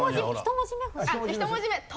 １文字目「と」。